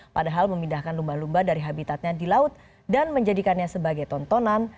padahal memindahkan lumba lumba dari habitatnya di laut dan menjadikannya sebagai tontonan